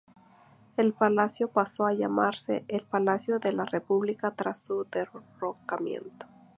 El palacio pasó a llamarse el Palacio de la República tras su derrocamiento.